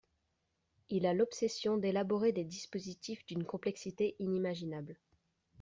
Il a l’obsession d’élaborer des dispositifs d’une complexité inimaginable.